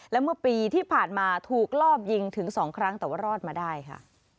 และเมื่อปีที่ผ่านมาถูกลอบยิงถึง๒ครั้งแต่ว่ารอดมาได้ค่ะ